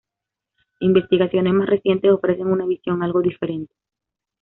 Investigaciones más recientes ofrecen una visión algo diferente.